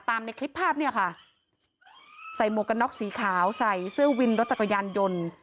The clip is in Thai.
ในคลิปภาพเนี่ยค่ะใส่หมวกกันน็อกสีขาวใส่เสื้อวินรถจักรยานยนต์